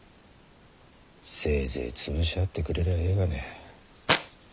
せいぜい潰し合ってくれりゃあええがね。